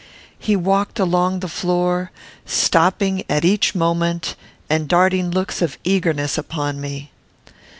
He walked along the floor, stopping at each moment, and darting looks of eagerness upon me.